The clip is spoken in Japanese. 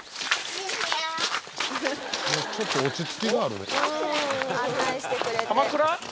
「ちょっと落ち着きがあるね」